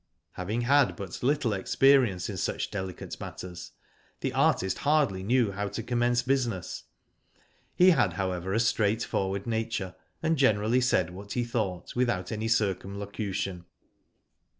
Having had but little experience in such delicate matters, the artist hardly knew how to commence business. He had, however^ a straightforward nature, and generally said what he thought without any circum locution.